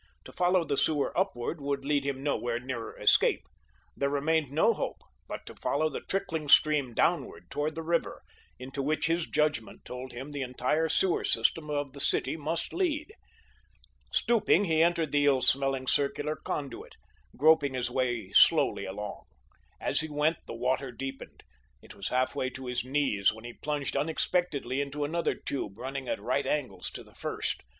To follow the sewer upward would lead him nowhere nearer escape. There remained no hope but to follow the trickling stream downward toward the river, into which his judgment told him the entire sewer system of the city must lead. Stooping, he entered the ill smelling circular conduit, groping his way slowly along. As he went the water deepened. It was half way to his knees when he plunged unexpectedly into another tube running at right angles to the first.